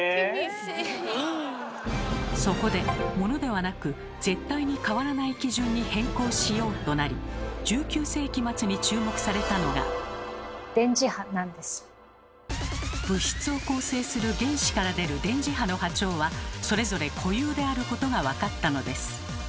そこで物ではなく「絶対に変わらない基準に変更しよう」となり１９世紀末に注目されたのが物質を構成する原子から出る電磁波の波長はそれぞれ固有であることが分かったのです。